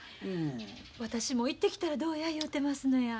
私も行ってきたらどうや言うてますのや。